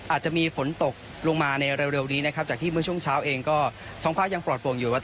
อาจจะมีฝนตกลงมาในเร็วนี้นะครับจากที่เมื่อช่วงเช้าเองก็ท้องภาคยังปลอดโปร่งอยู่ว่า